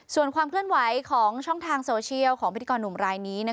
ส่วนความเคลื่อนไหวของช่องทางโซเชียลของพิธีกรหนุ่มรายนี้